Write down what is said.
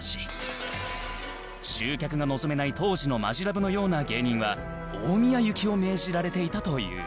集客が望めない当時のマヂラブのような芸人は大宮行きを命じられていたという